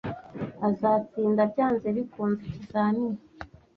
Azatsinda byanze bikunze ikizamini.